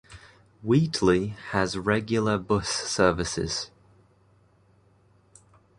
Wheatley has regular bus services.